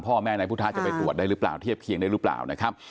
พ่อแม่นายพุทธะจะไปตรวจได้หรือเปล่าเทียบเคียงได้หรือเปล่านะครับ